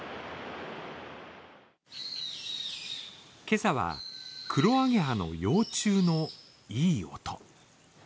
今朝はクロアゲハの幼虫のいい音。